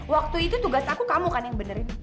waktu itu tugas aku kamu kan yang benerin